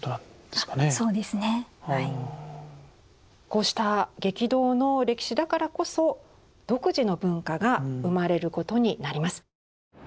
こうした激動の歴史だからこそ独自の文化が生まれることになります。